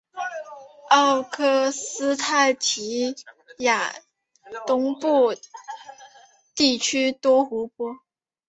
奥克施泰提亚东部地区多湖泊。